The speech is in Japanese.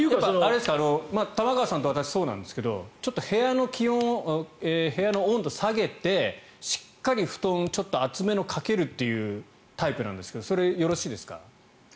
玉川さんと私そうなんですけどちょっと部屋の温度を下げてしっかり布団を厚めのをかけるというタイプなんですがそれはよろしいですか？